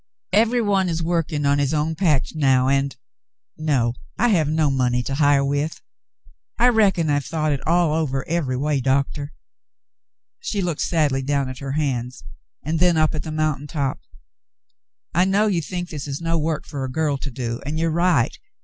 Every one is working his own patch now, and — no, I have no money to hire with. I reckon I've thought it all over every way. Doctor." She looked sadly down at her hands and then up at the mountain top. "I know you think this is no work for a girl to do, and you are right.